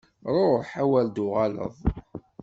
Ruḥ, awer d-tuɣaleḍ!